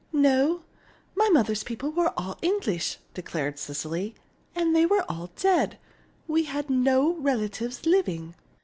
"No my mother's people were all English," declared Cecily, "and they were all dead. We had no relatives living."